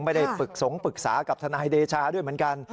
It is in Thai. ไม่ได้ปรึกสงปรึกษากับทนายเดชาด้วยเหมือนกัน